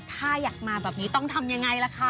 ถ้าอยากมาแบบนี้ต้องทำยังไงล่ะคะ